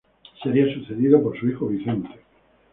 Sería sucedido por su hijo Vicente.